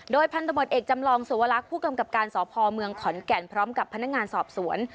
โดยพันธบทเอกจำลองสวรรคผู้กำกับการสพเมืองขอนแก่นพร้อมกับพนักงานสอบสวน